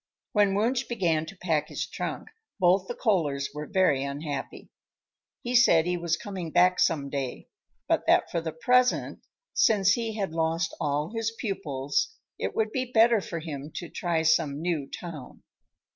When Wunsch began to pack his trunk, both the Kohlers were very unhappy. He said he was coming back some day, but that for the present, since he had lost all his pupils, it would be better for him to try some "new town."